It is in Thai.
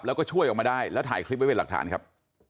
แล้วก็ช่วยออกมาได้แล้วถ่ายคลิปไว้เป็นหลักฐานครับ